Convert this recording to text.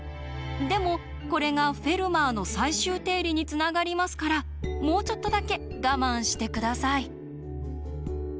でもこれが「フェルマーの最終定理」につながりますからもうちょっとだけ我慢して下さい。